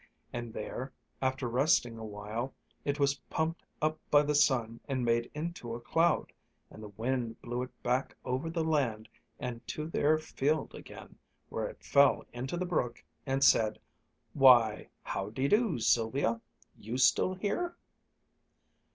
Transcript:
And there, after resting a while, it was pumped up by the sun and made into a cloud, and the wind blew it back over the land and to their field again, where it fell into the brook and said, "Why, how de do, Sylvia you still here?"